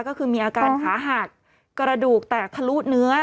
ก็คือมีอาการขาหักกระดูกแตกทะลุเนื้อ